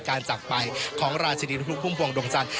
การจับไปของราชดินทุกปุ้มพวงดงจันทร์